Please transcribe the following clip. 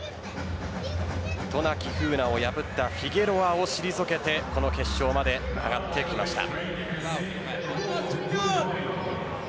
渡名喜風南を破ったフィゲロアを退けてこの決勝まで上がってきました。